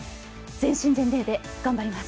全身全霊で頑張ります。